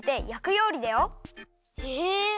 へえ！